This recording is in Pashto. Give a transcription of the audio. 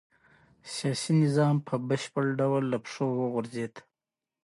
د مدني حقونو تر غورځنګ وروسته سیاسي نظام په بشپړ ډول له پښو وغورځېد.